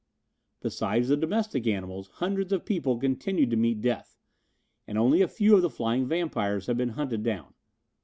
Besides the domestic animals hundreds of people continued to meet death, and only a few of the flying vampires had been hunted down.